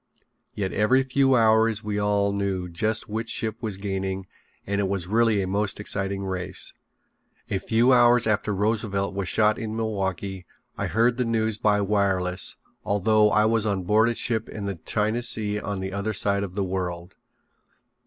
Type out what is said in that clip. Yet every few hours we all knew just which ship was gaining and it was really a most exciting race. A few hours after Roosevelt was shot in Milwaukee I heard the news by wireless although I was on board a ship in the China Sea on the other side of the world.